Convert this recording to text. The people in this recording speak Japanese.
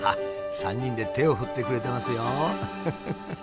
３人で手を振ってくれてますよ。